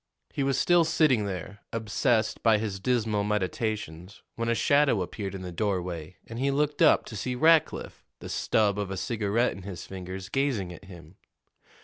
He was still sitting there, obsessed by his dismal meditations, when a shadow appeared in the doorway, and he looked up to see Rackliff, the stub of a cigarette in his fingers, gazing at him.